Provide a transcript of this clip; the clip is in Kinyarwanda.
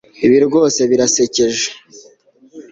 Ibi rwose birasekeje